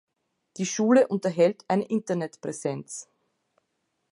Die Schule unterhält eine Internet-Präsenz.